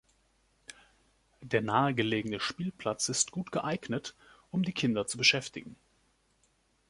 Der nahe gelegene Spielplatz ist gut geeignet, um die Kinder zu beschäftigen.